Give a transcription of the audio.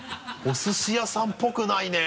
おすし屋さんっぽくないね。